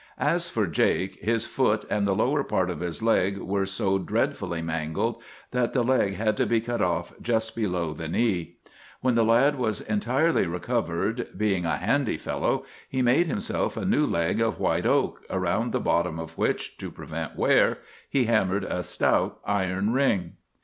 As for Jake, his foot and the lower part of his leg were so dreadfully mangled that the leg had to be cut off just below the knee. When the lad was entirely recovered, being a handy fellow, he made himself a new leg of white oak, around the bottom of which, to prevent wear, he hammered a stout iron ring.